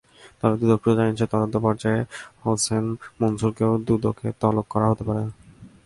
তবে দুদক সূত্র জানিয়েছে, তদন্ত পর্যায়ে হোসেন মনসুরকেও দুদকে তলব করা হতে পারে।